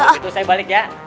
begitu saya balik ya